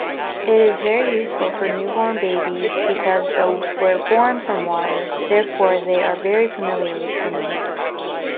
It is very useful for newborn babies because the were born from water, therefore they are very familiar with swimming.